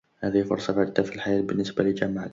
هذه فرصة فريدة في الحياة بالنسبة لجمال.